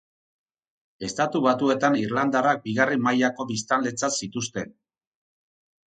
Estatu Batuetan irlandarrak bigarren mailako biztanletzat zituzten.